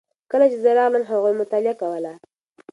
کله چې زه راغلم هغوی مطالعه کوله.